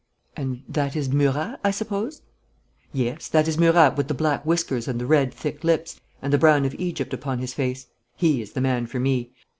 'And that is Murat, I suppose?' 'Yes; that is Murat with the black whiskers and the red, thick lips, and the brown of Egypt upon his face. He is the man for me!